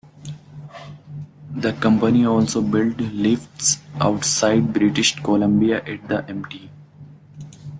The company also built lifts outside British Columbia at the Mt.